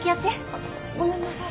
あっごめんなさい。